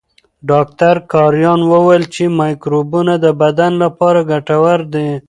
ډاکټر کرایان وویل چې مایکروبونه د بدن لپاره ګټور دي.